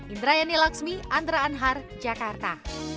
indrayani laksmi andra anhar jakarta